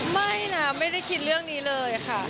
ไม่นะไม่ได้คิดเรื่องนี้เลยค่ะ